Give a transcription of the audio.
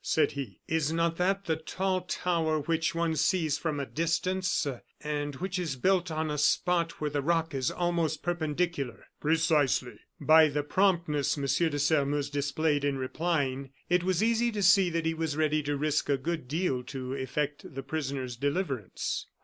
said he; "is not that the tall tower which one sees from a distance, and which is built on a spot where the rock is almost perpendicular?" "Precisely." By the promptness M. de Sairmeuse displayed in replying, it was easy to see that he was ready to risk a good deal to effect the prisoner's deliverance.